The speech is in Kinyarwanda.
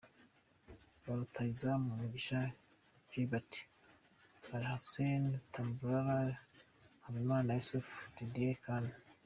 Ba rutahizamu: Mugisha Gilbert, Alhassane Tamboura, Habimana Yussuf, Tidiane Kone.